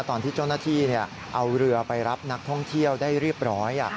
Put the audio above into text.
ตอนที่เจ้าหน้าที่เอาเรือไปรับนักท่องเที่ยวได้เรียบร้อย